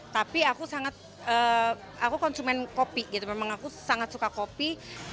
tapi aku sangat aku konsumen kopi gitu memang aku sangat suka kopi